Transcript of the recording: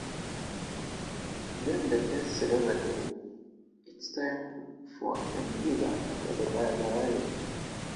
Then the pace slows again: it's time for a breather before the buyers arrive.